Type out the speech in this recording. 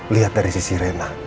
lihat dari sisi rena